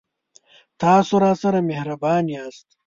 تاسو راسره مهربان یاست